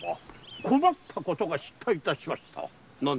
困ったことが出来いたしました。